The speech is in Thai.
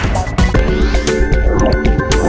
ก็แบบนั้น